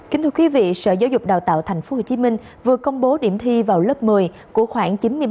kính thưa quý vị sở giáo dục đào tạo tp hcm vừa công bố điểm thi vào lớp một mươi của khoảng chín mươi một